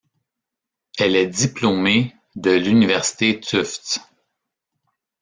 Elle est diplômée de l'université Tufts.